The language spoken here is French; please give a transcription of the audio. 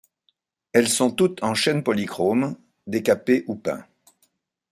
Elles sont toutes en chêne polychrome, décapé ou peint.